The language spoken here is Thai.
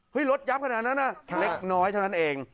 รถยับขนาดนั้นเล็กน้อยเท่านั้นเอง